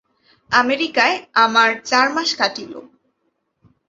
আমেরিকায় আমার চার মাস কাটিল।